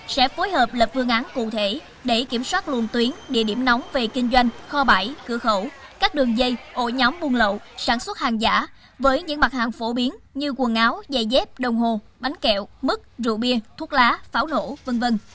sẽ phối hợp lập vương án cụ thể để kiểm soát luồng tuyến địa điểm nóng về kinh doanh kho bãi cửa khẩu các đường dây ổ nhóm buôn lậu sản xuất hàng giả với những mặt hàng phổ biến như quần áo giày dép đồng hồ bánh kẹo mứt rượu bia thuốc lá pháo nổ v v